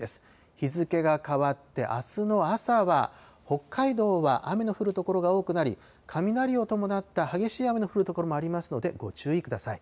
日付が変わって、あすの朝は、北海道は雨の降る所が多くなり、雷を伴った激しい雨の降る所もありますので、ご注意ください。